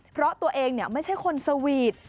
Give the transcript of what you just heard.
เพราะตัวเองไม่ใช่คนสวีท